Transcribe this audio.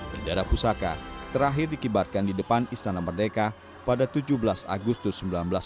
bendera pusaka terakhir dikibarkan di depan istana merdeka pada tujuh belas agustus seribu sembilan ratus empat puluh